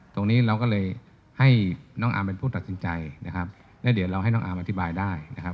ตรงนี้เราก็เลยให้น้องอาร์มเป็นผู้ตัดสินใจนะครับแล้วเดี๋ยวเราให้น้องอาร์มอธิบายได้นะครับ